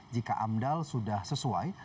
jika amdal sudah sesuai